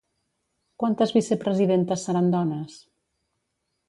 Quantes vicepresidentes seran dones?